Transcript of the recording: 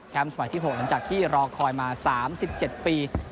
สมัยที่๖หลังจากที่รอคอยมา๓๗ปี